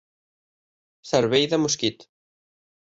Cervell de mosquit.